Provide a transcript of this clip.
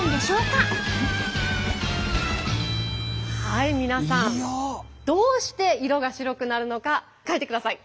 はい皆さんどうして色が白くなるのか書いてください。